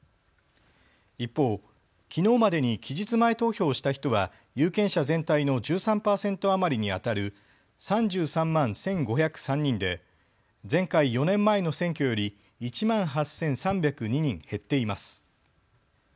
一方、きのうまでに期日前投票をした人は有権者全体の１３％余りにあたる３３万１５０３人で前回４年前の選挙より１万８３０２人減っています。